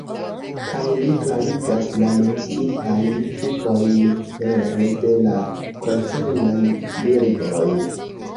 Kaj li klarigas la menciitajn tipojn pere de la koncernaj bildoj.